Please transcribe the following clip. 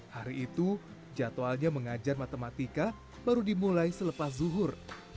hari itu jadwalnya mengajar matematika baru dimulai selepas zuhur